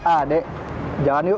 ah deh jalan yuk